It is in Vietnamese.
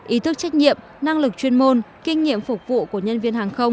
ý thức trách nhiệm năng lực chuyên môn kinh nghiệm phục vụ của nhân viên hàng không